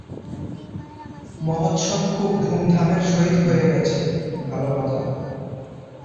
মহোৎসব খুব ধুমধামের সহিত হয়ে গেছে, ভাল কথা।